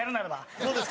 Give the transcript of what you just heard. そうですか？